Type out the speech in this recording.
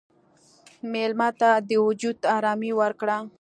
مېلمه ته د وجود ارامي ورکړه.